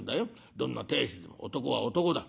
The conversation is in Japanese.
どんな亭主でも男は男だ。